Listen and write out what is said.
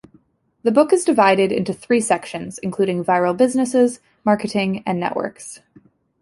The book is divided into three sections including viral businesses, marketing, and networks.